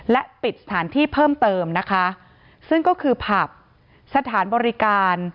และปิดสถานที่เพิ่มเติมนะคะซึ่งก็คือผับสถานบริการ